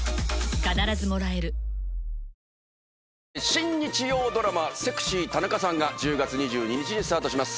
新日曜ドラマ『セクシー田中さん』が１０月２２日にスタートします。